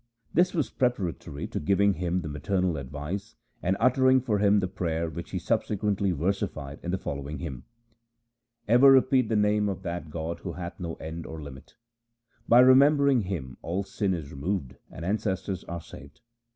This was preparatory to giving him the maternal advice and uttering for him the prayer which he subsequently versified in the following hymn :— Ever repeat the name of that God who hath no end or limit ; By remembering Him all sin is removed and ancestors are saved.